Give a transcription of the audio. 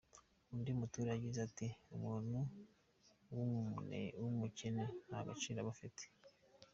Undi muturage yagize ati “umuntu w’umukene nta gaciro aba afite.